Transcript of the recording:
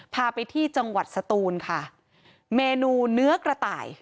พาไปที่จังหวัดสตูนค่ะเมนูเนื้อกระต่าย